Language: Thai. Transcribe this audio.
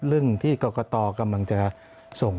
เรื่องที่กรกตกำลังจะส่ง